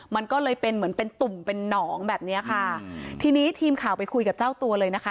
มันก็เลยเป็นเหมือนเป็นตุ่มเป็นหนองแบบเนี้ยค่ะทีนี้ทีมข่าวไปคุยกับเจ้าตัวเลยนะคะ